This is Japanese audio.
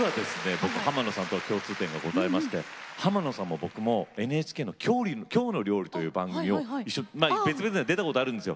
僕浜野さんと共通点がございまして浜野さんも僕もＮＨＫの「きょうの料理」という番組を別々出たことあるんですよ。